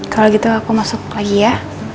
kalau gitu aku masuk lagi ya